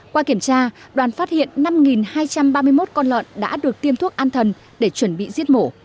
qua kiểm tra đoàn phát hiện năm hai trăm ba mươi một con lợn đã được tiêm thuốc an thần để chuẩn bị giết mổ